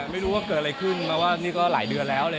ไม่รู้ว่าเกิดอะไรขึ้นแปลว่านี่ก็หลายเดือนแล้ว